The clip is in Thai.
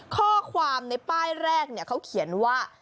ข้อความในป้ายแรกเขาเขียนว่า